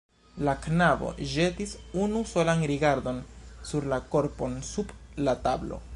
La knabo ĵetis unu solan rigardon sur la korpon sub la tablo.